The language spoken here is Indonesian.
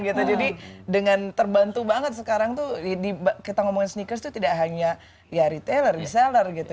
jadi dengan terbantu banget sekarang tuh kita ngomongin sneakers itu tidak hanya ya retailer reseller gitu